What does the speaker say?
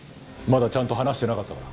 まだちゃんと話してなかったから。